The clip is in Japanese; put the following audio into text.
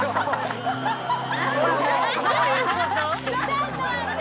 「ちょっと待って！